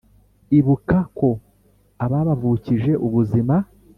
Ibuka ko ababavukije ubuzima